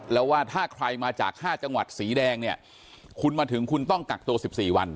แล้วว่าถ้าใครมาจาก๕จังหวัดสีแดงเนี่ยคุณมาถึงคุณต้องกักตัว๑๔วัน